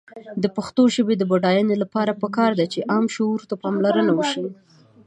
د پښتو ژبې د بډاینې لپاره پکار ده چې عام شعور ته پاملرنه وشي.